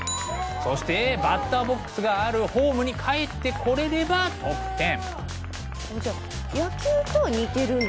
そしてバッターボックスがあるホームに帰ってこれれば得点。